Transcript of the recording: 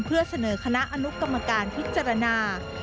เพื่อเสนอคณะอนุกรรมการพิจารณา